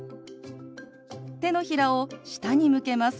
手のひらを下に向けます。